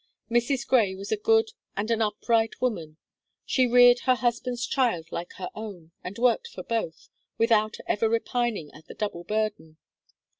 Mrs. Gray was a good and an upright woman; she reared her husband's child like her own, and worked for both, without ever repining at the double burden.